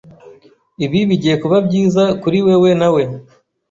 Ibi bigiye kuba byiza kuri wewe, nawe.